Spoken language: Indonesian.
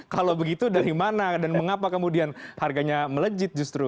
kalau begitu dari mana dan mengapa kemudian harganya melejit justru